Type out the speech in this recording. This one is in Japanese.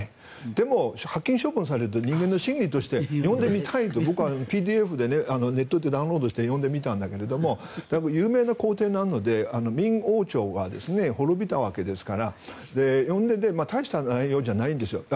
でも、発禁処分されると人間の心理として読んでみたいと僕はＰＤＦをネットでダウンロードして読んでみたんだけども有名な皇帝で明王朝は滅びたわけですから読んでいて大した内容じゃないんですよ。